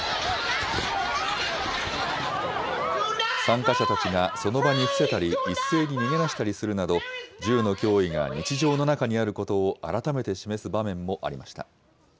参加者たちがその場に伏せたり、一斉に逃げ出したりするなど、銃の脅威が日常の中にあることを改めて示す場面もありました。